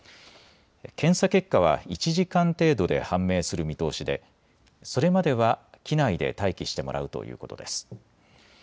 検査結果は１時間程度で判明する見通しでそれまでは機内で待機してもらうということです。